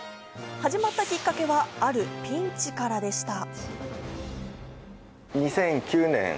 始まったきっかけは、あるピンチからでした。